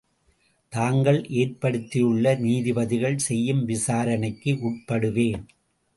தாங்கள் ஏற்படுத்தியுள்ள நீதிபதிகள் செய்யும் விசாரணைக்கு உட்படுவேன்.